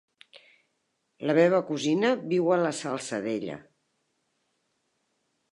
La meva cosina viu a la Salzadella.